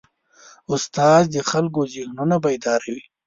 استاد د خلکو ذهنونه بیداروي.